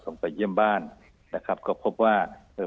ส่งไปเยี่ยมบ้านนะครับก็พบว่าเอ่อ